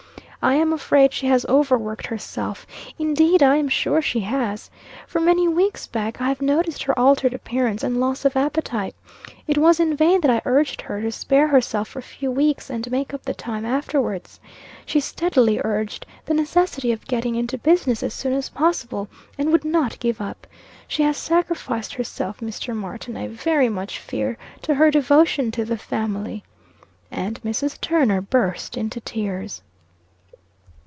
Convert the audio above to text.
I am afraid she has overworked herself. Indeed, I am sure she has. For many weeks back, I have noticed her altered appearance and loss of appetite. It was in vain that I urged her to spare herself for a few weeks and make up the time afterwards. She steadily urged the necessity of getting into business as soon as possible, and would not give up. She has sacrificed herself, Mr. Martin, I very much fear, to her devotion to the family." And Mrs. Turner burst into tears.